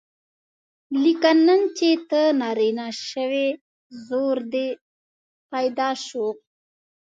لیکن نن چې ته نارینه شوې زور دې پیدا شو.